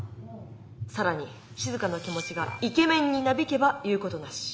更にしずかの気持ちがイケメンになびけば言うことなし。